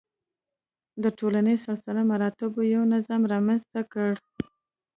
د ټولنیز سلسله مراتبو یو نظام رامنځته کړ.